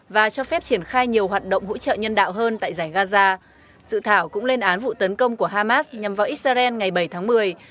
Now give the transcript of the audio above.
và cho phép triển khai nhiều hoạt động hữu trợ